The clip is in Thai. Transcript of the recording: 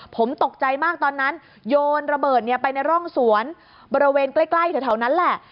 ผมตกใจมากตอนนั้นโยนระเบิดไปในร่องสวนบริเวณใกล้แถวนั้นแหละ